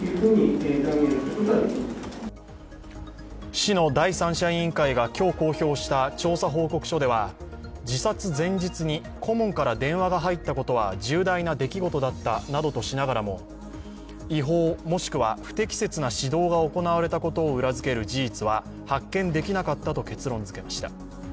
市の第三者委員会が今日公表した調査報告書では、自殺前日に顧問から電話が入ったことは重大な出来事だったなどとしながらも、違法、もしくは不適切な指導が行われたことを裏づける事実は発見できなかったと結論づけました。